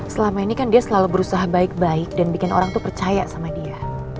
selama ini kan dia selalu berusaha baik baik dan bikin orang tuh percaya sama dia